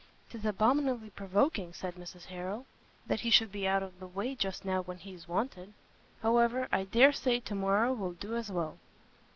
"'Tis abominably provoking," said Mrs Harrel, "that he should be out of the way just now when he is wanted. However, I dare say to morrow will do as well."